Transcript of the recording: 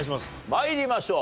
参りましょう。